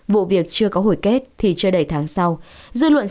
vụ việc chưa có hồi kết thì chưa đầy tháng sau